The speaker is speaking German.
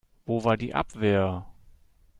Wo war die Abwehr?